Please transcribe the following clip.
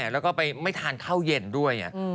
แล้วก็ไปไม่ทานข้าวเย็นด้วย